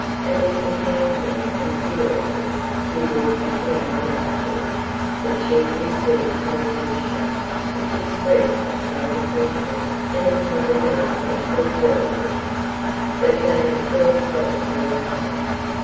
It was the countenance and figure of him, who walked between the other two, that chiefly seized her attention, which expressed a sullen haughtiness and a kind of dark watchful villany, that gave a thrill of horror to her heart.